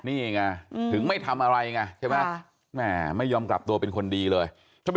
นี่ไงถึงไม่ทำอะไรไงใช่ไหมไม่ยอมกลับตัวเป็นคนดีเลย